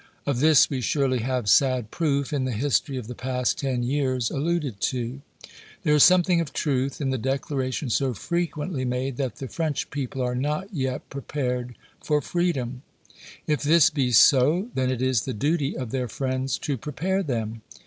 Of this we surely have sad proof in the history of the past ten years alluded to. There is something of truth in the declaration so frequently made that the French people are not yet prepared for freedom. If this be so, then it is the duty of their friends to prepare them.